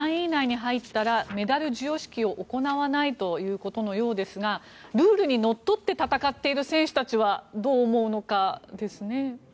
柳澤さん、ＩＯＣはワリエワ選手が３位以内に入ったらメダル授与式を行わないということのようですがルールにのっとって戦っている選手たちはどう思うのかですね。